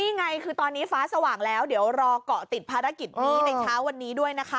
นี่ไงคือตอนนี้ฟ้าสว่างแล้วเดี๋ยวรอเกาะติดภารกิจนี้ในเช้าวันนี้ด้วยนะคะ